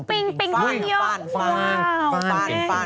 เตรียมมากฟ่านฟ่าน